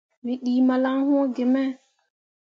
Wǝ ɗii malan wũũ gime.